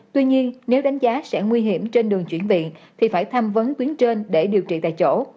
tuy nhiên nếu đánh giá sẽ nguy hiểm trên đường chuyển viện thì phải tham vấn tuyến trên để điều trị tại chỗ